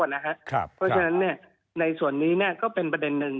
เพราะฉะนั้นในส่วนนี้ก็เป็นประเด็นหนึ่ง